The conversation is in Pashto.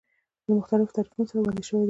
له مختلفو تعریفونو سره وړاندې شوی دی.